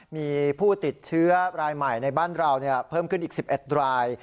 มีผู้ติดเชื้อรายใหม่ในบ้านเราเพิ่มขึ้นอีก๑๑ราย